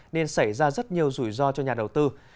nên xảy ra rất nhiều rủi ro cho nhà đầu tư